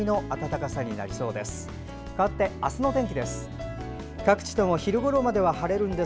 かわって、明日の天気です。